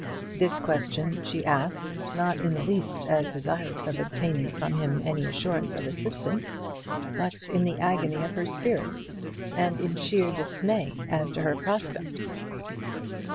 This question she asked, not in the least as desirous of obtaining from him any assurance of assistance, but in the agony of her spirit, and in sheer dismay as to her prospects.